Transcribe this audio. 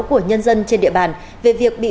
của nhân dân trên địa bàn về việc bị